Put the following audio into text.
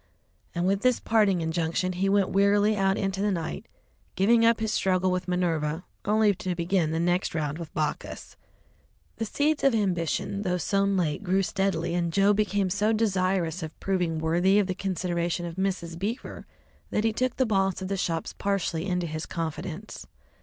And with this parting injunction he went wearily out into the night, giving up his struggle with Minerva, only to begin the next round with Bacchus. The seeds of ambition, though sown late, grew steadily, and Joe became so desirous of proving worthy of the consideration of Mrs. Beaver that he took the boss of the shops partially into his confidence.